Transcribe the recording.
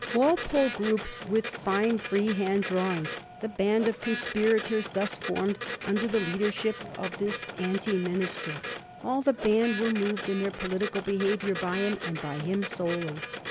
Walpole grouped with fine freehand drawing the band of conspirators thus formed under thff leadership of this anti minister. All the band were moved in their political behavior by him, and by him solely.